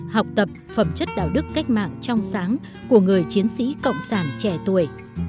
học tập phẩm chất đạo đức cách mạng trong sáng của người chiến sĩ cộng sản trẻ tuổi